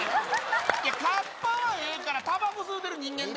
いや、カッパはええからたばこ吸うてる人間で。